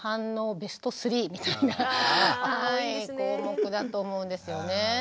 ベスト３みたいな項目だと思うんですよね。